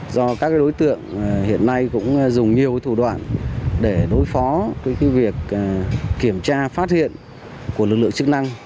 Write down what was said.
do các đối tượng hiện nay cũng dùng nhiều thủ đoạn để đối phó với việc kiểm tra phát hiện của lực lượng chức năng